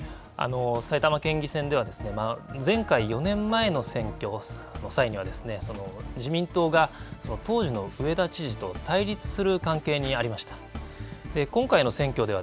埼玉県議選では、前回４年前の選挙の際には自民党がその当時のうえだ知事と対立する関係にありました。